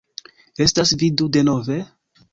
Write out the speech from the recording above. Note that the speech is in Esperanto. Estas vi du denove?!